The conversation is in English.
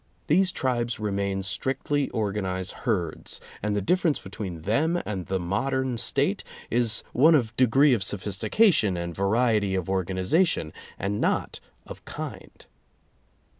These tribes remain strictly organized herds, and the difference [i 4 8] between them and the modern State is one of de gree of sophistication and variety of organization, and not of kind.